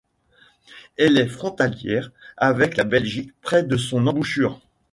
Elle est frontalière avec la Belgique près de son embouchure.